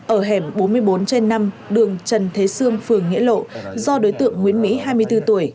ở hẻm bốn mươi bốn trên năm đường trần thế sương phường nghĩa lộ do đối tượng nguyễn mỹ hai mươi bốn tuổi